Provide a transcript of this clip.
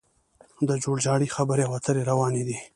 د جوړجاړي خبرې او اترې روانې دي